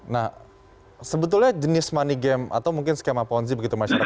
nah sebetulnya jenis money game atau mungkin skema ponzi begitu masyarakat